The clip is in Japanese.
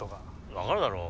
分かるだろう。